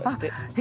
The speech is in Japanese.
え。